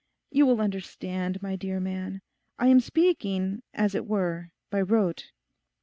You will understand, my dear man, I am speaking, as it were, by rote.